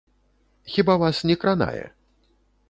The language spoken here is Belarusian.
Хіба вас не кранае?